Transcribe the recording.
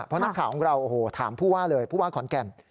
เพราะนักข่าวของเราโอ้โหถามผู้ว่าเลยผู้ว่าขอนแก่น